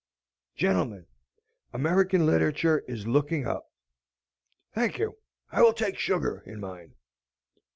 Gentlemen, American literature is looking up. Thank you, I will take sugar in mine."